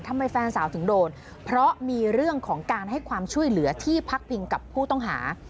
แฟนสาวถึงโดนเพราะมีเรื่องของการให้ความช่วยเหลือที่พักพิงกับผู้ต้องหา